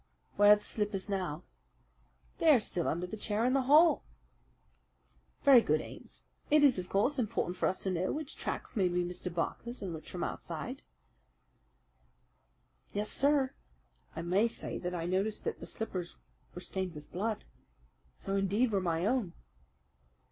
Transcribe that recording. "Where are the slippers now?" "They are still under the chair in the hall." "Very good, Ames. It is, of course, important for us to know which tracks may be Mr. Barker's and which from outside." "Yes, sir. I may say that I noticed that the slippers were stained with blood so indeed were my own."